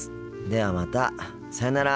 ではまたさようなら。